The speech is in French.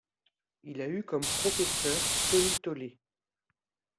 Il a eu comme professeur Tony Tollet.